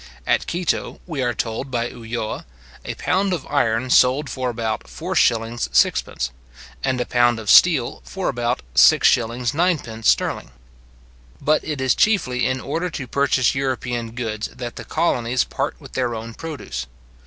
At Quito, we are told by Ulloa, a pound of iron sold for about 4s:6d., and a pound of steel for about 6s:9d. sterling. But it is chiefly in order to purchase European goods that the colonies part with their own produce.